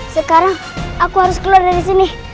sekarang aku harus keluar dari sini